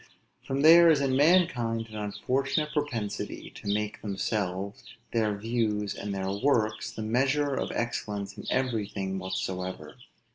For there is in mankind an unfortunate propensity to make themselves, their views, and their works, the measure of excellence in everything whatsoever.